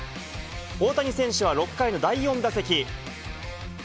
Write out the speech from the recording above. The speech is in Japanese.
大谷選手は６回の第４打席。